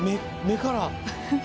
目から。